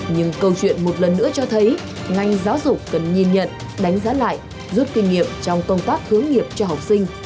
nhưng câu chuyện một lần nữa cho thấy ngành giáo dục cần nhìn nhận đánh giá lại rút kinh nghiệm trong công tác hướng nghiệp cho học sinh